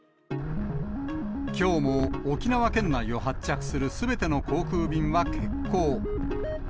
きょうも沖縄県内を発着するすべての航空便は欠航。